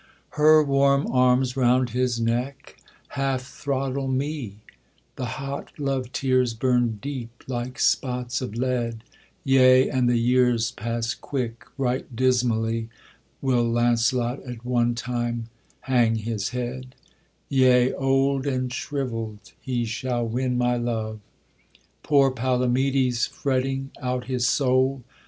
Her warm arms round his neck half throttle ME, The hot love tears burn deep like spots of lead, Yea, and the years pass quick: right dismally Will Launcelot at one time hang his head; Yea, old and shrivell'd he shall win my love. Poor Palomydes fretting out his soul!